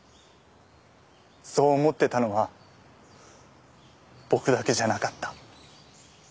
そう思ってたのは僕だけじゃなかった。